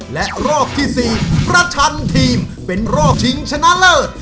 และรอบที่๔ประชันทีมเป็นรอบชิงชนะเลิศ